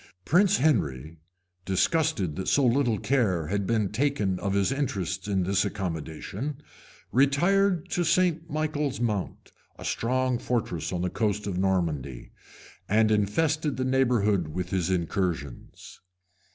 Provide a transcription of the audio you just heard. ] Prince Henry, disgusted that so little care had been taken of his interests in this accommodation, retired to St. Michael's Mount, a strong fortress on the coast of Normandy, and infested the neighborhood with his incursions.